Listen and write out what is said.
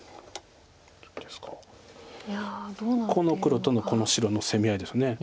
この黒とこの白の攻め合いです。